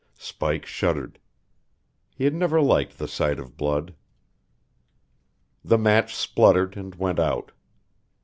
Spike shuddered. He had never liked the sight of blood. The match spluttered and went out.